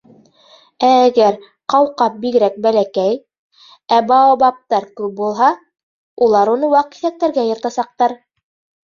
Ә әгәр ҡауҡаб бигерәк бәләкәй, ә баобабтар күп булһа, улар уны ваҡ киҫәктәргә йыртасаҡтар.